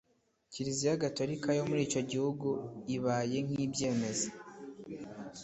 Kiliziya gatolika yo muri icyo gihugu ibaye nk’ibyemeza